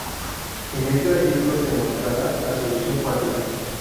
En este artículo se mostrará la solución cuántica.